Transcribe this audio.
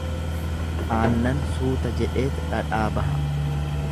Aannan suuta jedheet dhadhaa baha.